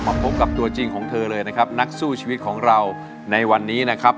พบกับตัวจริงของเธอเลยนะครับนักสู้ชีวิตของเราในวันนี้นะครับ